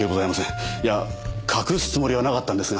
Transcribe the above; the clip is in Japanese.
いや隠すつもりはなかったんですが。